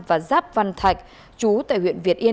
và giáp văn thạch chú tại huyện việt yên